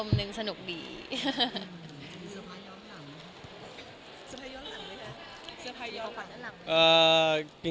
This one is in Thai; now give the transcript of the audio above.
ไม่ได้ไป